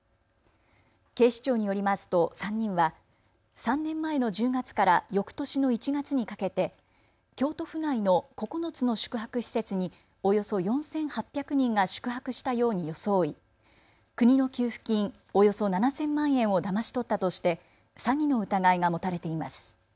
警視庁によりますと３人は３年前の１０月からよくとしの１月にかけて京都府内の９つの宿泊施設におよそ４８００人が宿泊したように装い国の給付金およそ７０００万円をだまし取ったとして詐欺の疑いが持たれています。